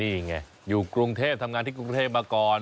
นี่ไงอยู่กรุงเทพทำงานที่กรุงเทพมาก่อน